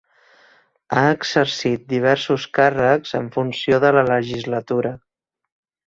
Ha exercit diversos càrrecs en funció de la legislatura.